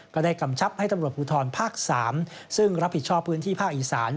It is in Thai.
กำชับให้ตำรวจภูทรภาค๓ซึ่งรับผิดชอบพื้นที่ภาคอีสาน